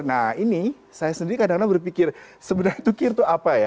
nah ini saya sendiri kadang kadang berpikir sebenarnya tukir itu apa ya